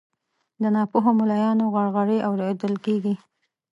د ناپوهو ملایانو غرغړې اورېدل کیږي